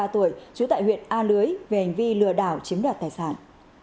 ba mươi ba tuổi chú tại huyện a lưới về hành vi lừa đảo chiếm đoạt tài sản